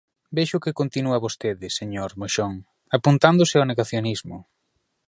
Vexo que continúa vostede, señor Moxón, apuntándose ao negacionismo.